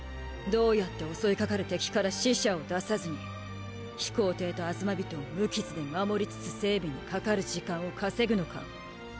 どうやって襲いかかる敵から死者を出さずに飛行艇とアズマビトを無傷で守りつつ整備にかかる時間を稼ぐのか。